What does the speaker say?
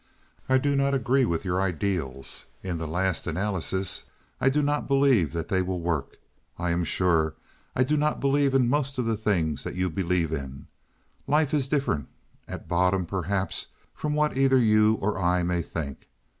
I do not agree with your ideals; in the last analysis I do not believe that they will work. I am sure I do not believe in most of the things that you believe in. Life is different at bottom perhaps from what either you or I may think.